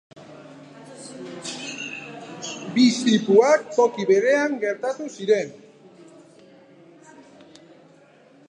Bi istripuak toki berean gertatu ziren.